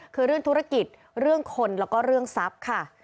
คือเรื่องธุรกิจเรื่องคนแล้วก็เรื่องทรัพย์ค่ะ